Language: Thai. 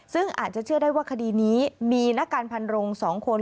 ซึ่งอาจจะเชื่อได้ว่าคดีนี้มีนักการพันรง๒คน